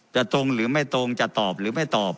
ตรงหรือไม่ตรงจะตอบหรือไม่ตอบ